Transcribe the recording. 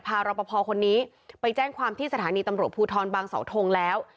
รอปภคนนี้ไปแจ้งความที่สถานีตำรวจภูทรบางเสาทงแล้ว